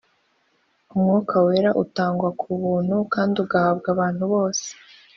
umwuka wera utangwa kubuntu kandi ugahabwa abantu bose